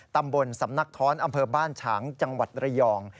ตำบลสำนักท้อนอำเภอบ้านฉางจังหวัดระยอง